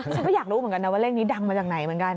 ฉันก็อยากรู้เหมือนกันนะว่าเลขนี้ดังมาจากไหนเหมือนกัน